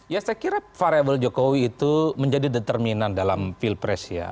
ya saya kira variable jokowi itu menjadi determinan dalam pilpres ya